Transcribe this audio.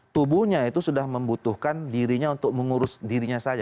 tubuhnya itu sudah membutuhkan dirinya untuk mengurus dirinya saja